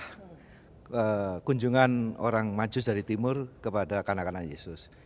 ada kunjungan orang majus dari timur kepada kanak kanak yesus